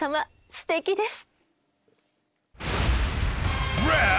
すてきです。